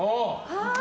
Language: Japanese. はい！